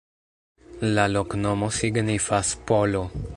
La loknomo signifas: polo.